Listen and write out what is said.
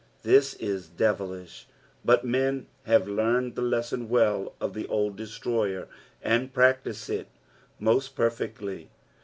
This is devilish ; but men have learned the lesson well of the old Destrojer, and practise it moat perfectly.